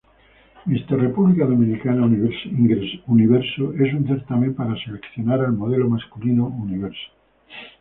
Mister República Dominicana Universo es un certamen para seleccionar al Modelo Masculino Universo.